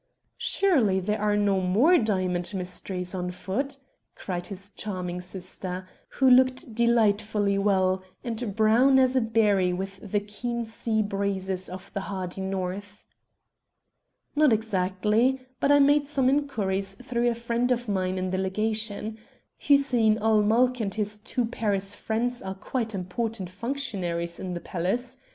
"Surely there are no more diamond mysteries on foot!" cried his charming sister, who looked delightfully well, and brown as a berry with the keen sea breezes of the hardy North. "Not exactly; but I made some inquiries through a friend of mine in the Legation. Hussein ul Mulk and his two Paris friends are quite important functionaries in the palace.